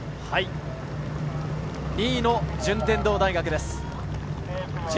２位の順天堂大学です。